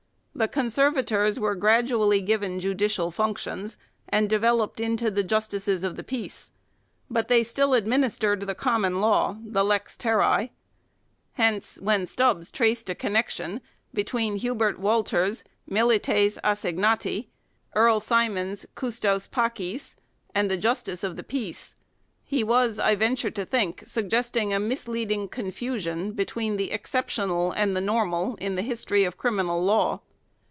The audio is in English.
The conservators were gradually given judicial functions and developed into the justices of the peace; but they still adminis tered the common law the " lex terrae ". Hence, when Stubbs traced a connection between Hubert Walter's "milites assignati," Earl Simon's "custos pads," and the justice of the peace, he was, I venture to think, suggesting a misleading confusion between the exceptional and the normal in the history of criminal law.